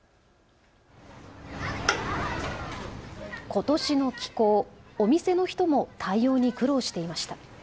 ことしの気候、お店の人も対応に苦労していました。